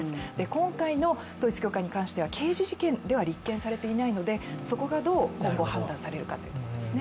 今回の統一教会に関しては刑事事件では立件されていないのでそこがどう今後判断されるかということですね。